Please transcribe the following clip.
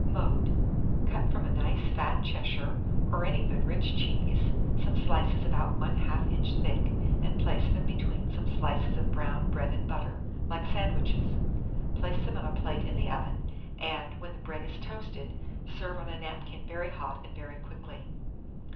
Mode. Cut from a nice fat Cheshire, or any good rich cheese, some slices about 1/2 inch thick, and place them between some slices of brown bread and butter, like sandwiches. Place them on a plate in the oven, and, when the bread is toasted, serve on a napkin very hot and very quickly.